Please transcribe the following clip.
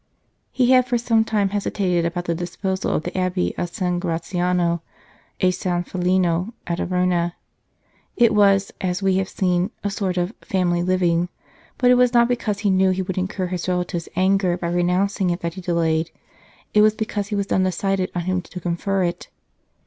He had for some time hesitated about the dis posal of the Abbey of San Gratiano e San Felino at Arona. It was, as we have seen, a sort of " family living," but it was not because he knew he would incur his relatives anger by renouncing it that he delayed. It was because he was unde cided on whom to confer it.